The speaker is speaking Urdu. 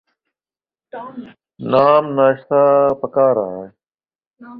ٹام ناشتہ پکھا رہا ہے۔